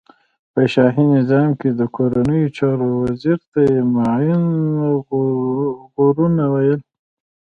په شاهی نظام کی د کورنیو چارو وزیر ته یی مین د غرونو ویل.